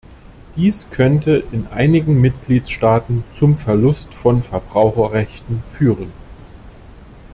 Dies könnte in einigen Mitgliedstaaten zum Verlust von Verbraucherrechten führen.